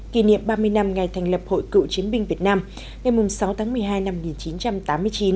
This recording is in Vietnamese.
kỷ niệm ba mươi năm ngày thành lập hội cựu chiến binh việt nam ngày sáu tháng một mươi hai năm một nghìn chín trăm tám mươi chín